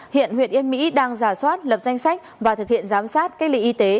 hiện huyện yên mỹ đang giả soát lập danh sách và thực hiện giám sát cách ly y tế